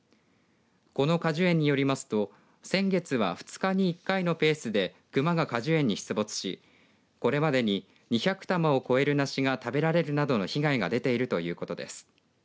この果樹園によりますと先月は２日に１回のペースでクマが果樹園に出没しこれまでに２００玉を超える梨が食べられるなどの被害が出ているということです。